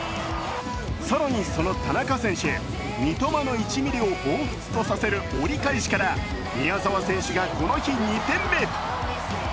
更にその田中選手、三笘の１ミリをほうふつとさせる折り返しから、宮澤選手がこの日２点目。